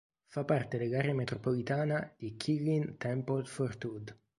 Fa parte dell'area metropolitana di Killeen–Temple–Fort Hood.